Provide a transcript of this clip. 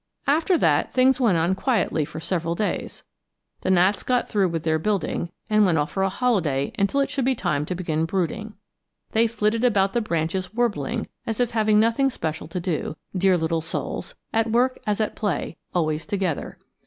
After that, things went on quietly for several days. The gnats got through with their building, and went off for a holiday until it should be time to begin brooding. They flitted about the branches warbling, as if having nothing special to do; dear little souls, at work as at play, always together.